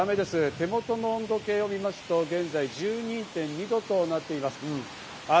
手元の温度計を見ますと、現在１２．２度となっています。